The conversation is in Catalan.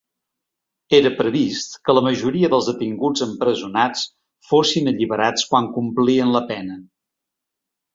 Era previst que la majoria dels detinguts empresonats fossin alliberats quan complien la pena.